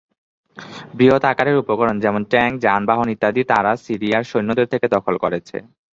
বৃহৎ আকারের উপকরণ যেমন ট্যাংক, যানবাহন ইত্যাদি তারা সিরিয়ার সৈন্যদের থেকে দখল করেছে।